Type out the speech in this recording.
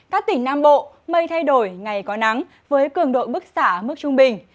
các tỉnh nam bộ mây thay đổi ngày có nắng với cường độ bức xạ mức trung bình